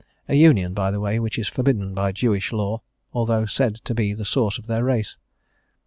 a union, by the way, which is forbidden by Jewish law, although said to be the source of their race.